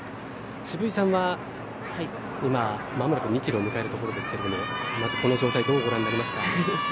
渋井さんは今、間もなく２キロを迎えるところですけどまず、この状態どうご覧になりますか？